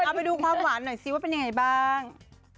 เอาไปดูความหวานหน่อยซิว่าเป็นยังไงบ้าง